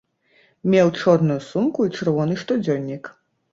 Меў чорную сумку і чырвоны штодзённік.